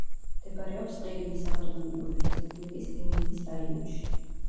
მდებარეობს ყირიმის ავტონომიური რესპუბლიკის ლენინის რაიონში.